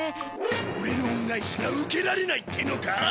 オレの恩返しが受けられないってのか？